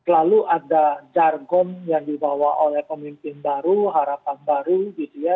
selalu ada jargon yang dibawa oleh pemimpin baru harapan baru gitu ya